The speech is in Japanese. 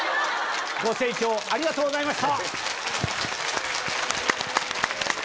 ご清聴ありがとうございました。